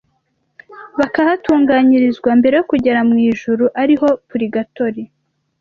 bakahatunganyirizwa, mbere yo kugera mu ijuru, arihoPurigatori